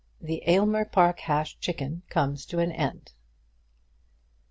THE AYLMER PARK HASHED CHICKEN COMES TO AN END.